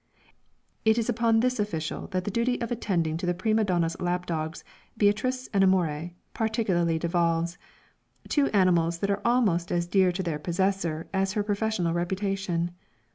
It is upon this official that the duty of attending to the prima donna's lap dogs Beatrice and Amore, particularly devolves two animals that are almost as dear to their possessor as her professional reputation.